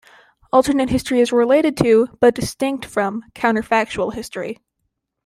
Alternate history is related to, but distinct from, counterfactual history.